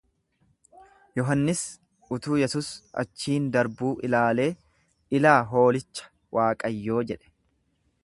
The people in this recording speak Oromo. Yohannis utuu Yesus achiin darbuu ilaalee, Ilaa hoolicha Waaqayyoo jedhe.